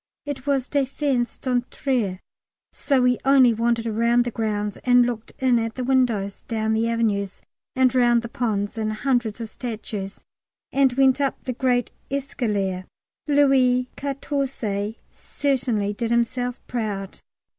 It was défense d'entrer, so we only wandered round the grounds and looked in at the windows, down the avenues and round the ponds and hundreds of statues, and went up the great escalier. Louis Quatorze certainly did himself proud.